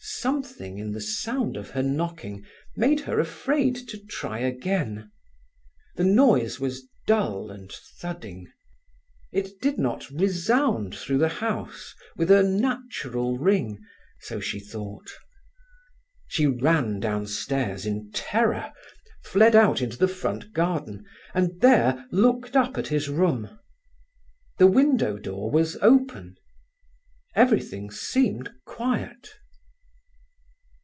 Something in the sound of her knocking made her afraid to try again. The noise was dull and thudding: it did not resound through the house with a natural ring, so she thought. She ran downstairs in terror, fled out into the front garden, and there looked up at his room. The window door was open—everything seemed quiet.